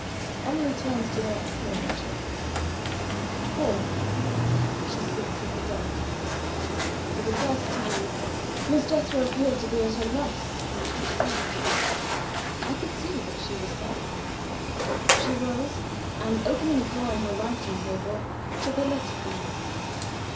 Emily turned to the next page. 4. She Speaks of the Dead. "For the first time, Miss Jethro appeared to be at a loss how to proceed. I could see that she was suffering. She rose, and opening a drawer in her writing table, took a letter from it.